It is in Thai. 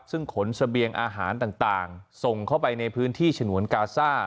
ซึ่งขนเสบียงอาหารต่างส่งเข้าไปในพื้นที่ฉนวนกาซ่า